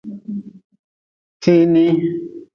Tii nii.